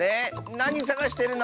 なにさがしてるの？